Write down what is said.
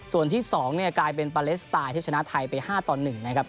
ส่วนที่๒เนี่ยกลายเป็นปาเลสไตล์ที่ชนะไทยไป๕ต่อ๑นะครับ